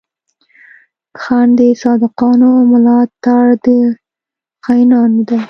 خنډ د صادقانو، ملا تړ د خاينانو دی